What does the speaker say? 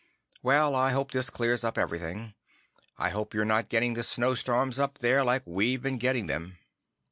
Well, I hope this clears up everything. I hope you're not getting the snow storms up there like we've been getting them.